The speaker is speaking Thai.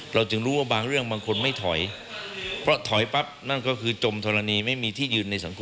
เราจึงรู้บางเรื่องบางคนไม่ถอย